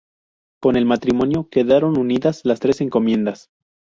Con el matrimonio quedaron unidas las tres encomiendas.